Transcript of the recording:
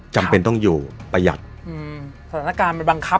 จำเป็นต้องอยู่ประหยัดอืมสถานการณ์มันบังคับ